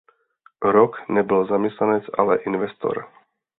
Rock nebyl zaměstnanec ale investor.